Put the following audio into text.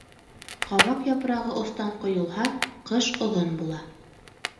Ҡабаҡ япрағы остан ҡойолһа, ҡыш оҙон була.